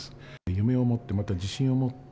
夢をもって、また自信をもって、